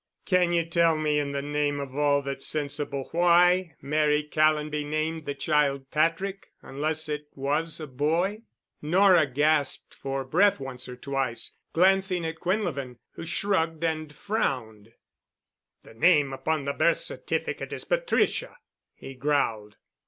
Can you tell me in the name of all that's sensible why Mary Callonby named the child Patrick unless it was a boy?" Nora gasped for breath once or twice, glancing at Quinlevin, who shrugged and frowned. "The name upon the birth certificate is Patricia," he growled.